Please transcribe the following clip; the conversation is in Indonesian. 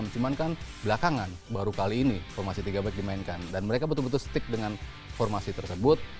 cuman kan belakangan baru kali ini formasi tiga back dimainkan dan mereka betul betul stick dengan formasi tersebut